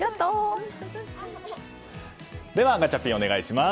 では、ガチャピンお願いします。